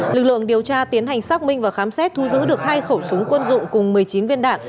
lực lượng điều tra tiến hành xác minh và khám xét thu giữ được hai khẩu súng quân dụng cùng một mươi chín viên đạn